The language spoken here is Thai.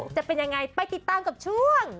จะเป็นยังไงไปติดตามกับช่วง